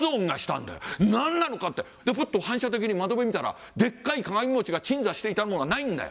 ふっと反射的に窓辺見たらでっかい鏡餅が鎮座していたものがないんだよ。